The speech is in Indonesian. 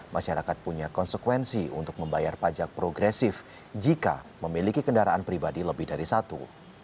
masyarakat punya konsekuensi untuk membayar pajak progresif jika memiliki kendaraan pribadi lebih dari satu